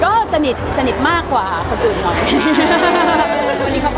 ก็สนิทสนิทมากกว่าคนอื่นหรอก